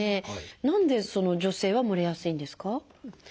何で女性はもれやすいんですか？